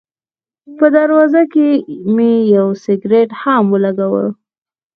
په دروازه کې مې یو سګرټ هم ولګاوه.